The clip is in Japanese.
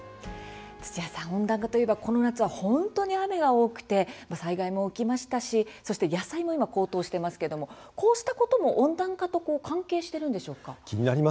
土屋さん、温暖化といえばこの夏は本当に雨が多くて災害も起きましたし野菜も高騰していますけれどもこうしたことも温暖化と関係しているんでしょうか。